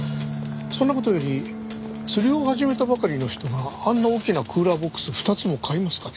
そんな事より釣りを始めたばかりの人があんな大きなクーラーボックス２つも買いますかね？